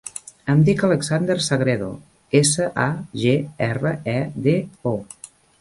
Em dic Alexander Sagredo: essa, a, ge, erra, e, de, o.